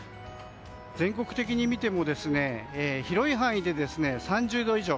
全国的に見ても広い範囲で３０度以上。